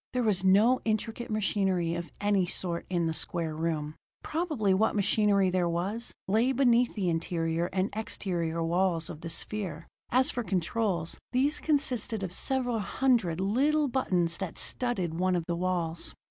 There was no intricate machinery of any sort in the square room; probably what machinery there was lay between the interior and exterior walls of the sphere. As for controls, these consisted of several hundred little buttons that studded one of the walls.